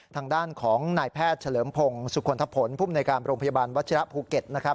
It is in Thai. ทางด้านของนายแพทย์เฉลิมพงศ์สุขลทภนผู้บุญในการโรงพยาบาลวัชยาภูเก็ต